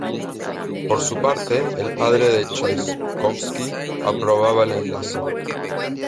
Por su parte, el padre de Chaikovski aprobaba el enlace.